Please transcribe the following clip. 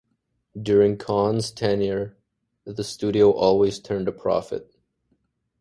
During Cohn's tenure, the studio always turned a profit.